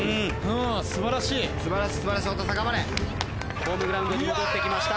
ホームグラウンドに戻ってきました。